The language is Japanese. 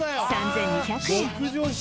３２００円